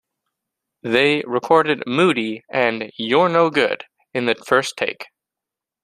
They recorded "Moody" and "You're No Good" in the first take.